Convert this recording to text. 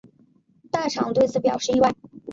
大场对此表示意外。